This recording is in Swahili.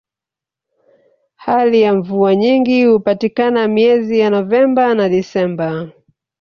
hali ya mvua nyingi hupatikana miezi ya novemba na desemba